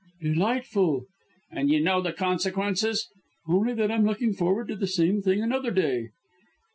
"Delightful!" "And you know the consequences!" "Only that I'm looking forward to the same thing another day."